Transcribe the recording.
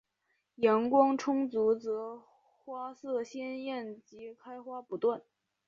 阳光充足则花色鲜艳及开花不断。